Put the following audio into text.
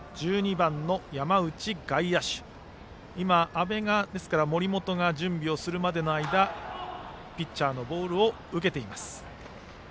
阿部が森本が準備をするまでの間ピッチャーのボールを受けています。